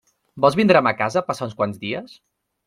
Vols vindre a ma casa a passar uns quants dies?